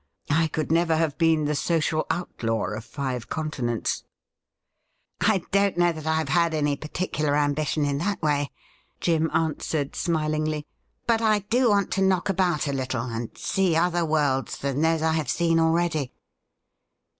I could never have been the social outlaw of five continents.' ' I don't know that I have had any particular ambition in that way,' Jim answered smilingly. ' But I do want to knock about a little, and see other worlds than those I have seen already.'